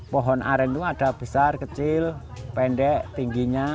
pohon aren itu ada besar kecil pendek tingginya